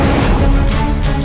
kenapa kau menyerangku